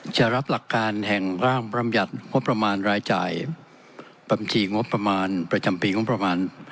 จะรับหลักการแห่งร่างบรรยัติงบประมาณรายจ่ายบัญชีงบประมาณประจำปีงบประมาณ